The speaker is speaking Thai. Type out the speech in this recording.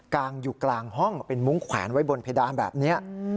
งอยู่กลางห้องเป็นมุ้งแขวนไว้บนเพดานแบบนี้